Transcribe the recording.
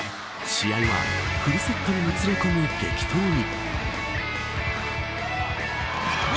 試合はフルセットにもつれ込む激闘に。